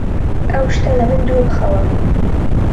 ئەو شتە لە من دوور بخەوە!